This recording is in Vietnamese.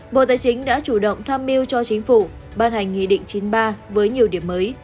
bộ tài chính đã chủ động tham mưu cho chính phủ ban hành nghị định chín mươi ba với nhiều điểm mới